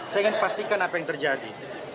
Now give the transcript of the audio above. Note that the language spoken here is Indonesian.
saya ingin pastikan apa yang terjadi